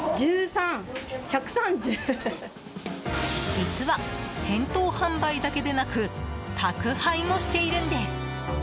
実は店頭販売だけでなく宅配もしているんです。